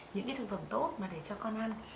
những cái thực phẩm tốt mà để cho con ăn